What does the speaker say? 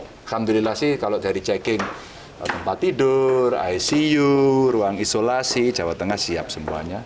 alhamdulillah sih kalau dari checking tempat tidur icu ruang isolasi jawa tengah siap semuanya